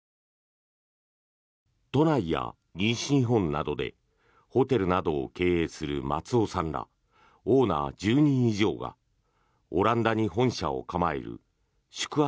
都内や西日本などでホテルなどを経営する松尾さんらオーナー１０人以上がオランダに本社を構える宿泊